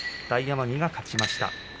大奄美が勝ちました。